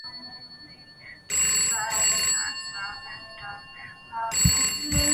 抱嶷居住在直谷。